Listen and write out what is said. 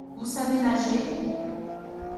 Vous savez nager ?